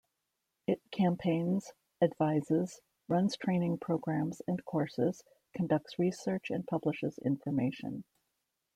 It campaigns, advises, runs training programmes and courses, conducts research and publishes information.